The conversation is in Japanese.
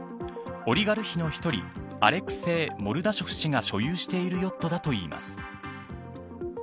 オリガルヒの１人アレクセイ・モルダショフ氏が所有しているヨットだといいます。